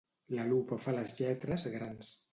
La lupa fa les lletres grans